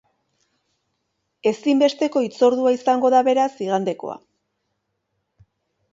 Ezinbesteko hitzordua izango da, beraz, igandekoa.